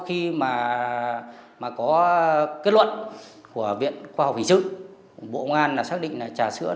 em quên quyền có tình cảm với nhau